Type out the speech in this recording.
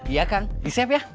iya kang disiap ya